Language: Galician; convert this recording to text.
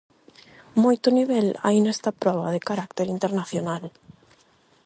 Moito nivel hai nesta proba de carácter internacional.